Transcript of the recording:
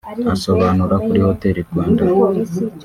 Asobanura kuri Hotel Rwanda